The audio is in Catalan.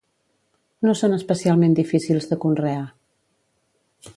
No són especialment difícils de conrear.